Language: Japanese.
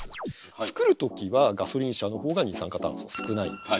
作る時はガソリン車の方が二酸化炭素少ないんですね。